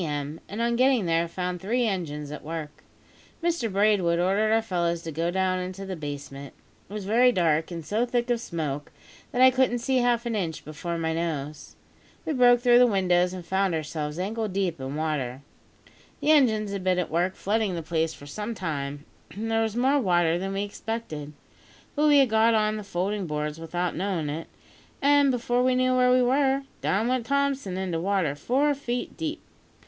m., and on getting there found three engines at work. Mr Braidwood ordered our fellows to go down into the basement. It was very dark, and so thick of smoke that I couldn't see half an inch before my nose. We broke through the windows, and found ourselves ankle deep in water. The engines had been at work flooding the place for some time, and there was more water than we expected; but we had got on the folding boards without knowing it, an' before we knew where we were, down went Thompson into water four feet deep.